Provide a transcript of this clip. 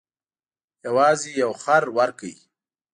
یوازې یو خر ورکړ.